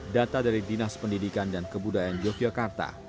data dari dinas pendidikan dan kebudayaan yogyakarta